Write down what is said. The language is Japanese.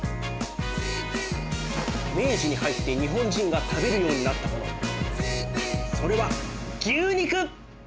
明治に入って日本人が食べるようになったものそれは牛肉！